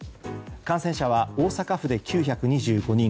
感染者は大阪府で９２５人